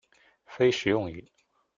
非食用鱼。